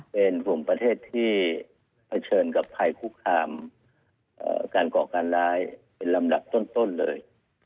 เป็นกลุ่มประเทศที่เผชิญกับภัยคุกคามการก่อการร้ายเป็นลำดับต้นเลย